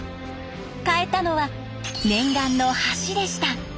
変えたのは念願の橋でした。